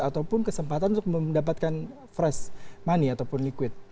ataupun kesempatan untuk mendapatkan fresh money ataupun liquid